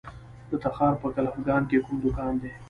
د تخار په کلفګان کې کوم کان دی؟